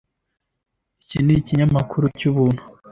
Iki ni ikinyamakuru cyubuntu